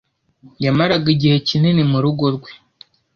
Yamaraga igihe kinini murugo rwe.